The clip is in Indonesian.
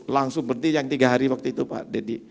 langsung berhenti yang tiga hari waktu itu pak deddy